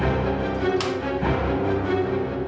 yang sepupu banget